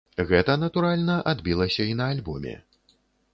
Гэта, натуральна, адбілася і на альбоме.